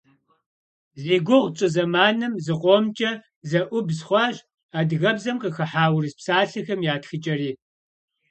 Зи гугъу тщӏы зэманым зыкъомкӏэ зэӏубз хъуащ адыгэбзэм къыхыхьа урыс псалъэхэм я тхыкӏэри.